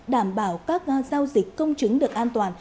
đảm bảo các giao dịch công chứng được an toàn